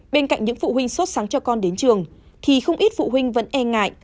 bên cạnh những phụ huynh sốt sáng cho con đến trường thì không ít phụ huynh vẫn e ngại